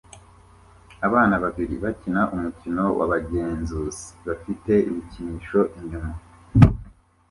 Abana babiri bakina umukino wabagenzuzi bafite ibikinisho inyuma